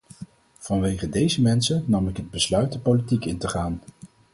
Vanwege deze mensen nam ik het besluit de politiek in te gaan.